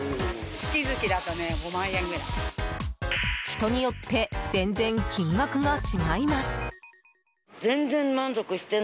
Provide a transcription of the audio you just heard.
人によって全然、金額が違います。